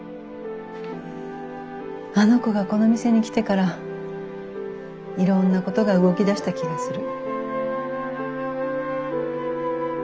あの子がこの店に来てからいろんなことが動き出した気がする。